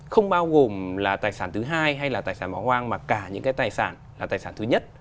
không bao gồm là tài sản thứ hai hay là tài sản bỏ hoang mà cả những cái tài sản là tài sản thứ nhất